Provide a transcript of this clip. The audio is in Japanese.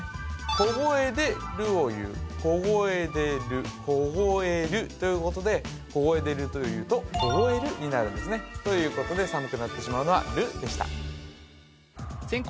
小声で「る」を言う「こごえ」で「る」「こごえる」ということで「こごえ」で「る」というと「凍える」になるんですねということで寒くなってしまうのは「る」でした先攻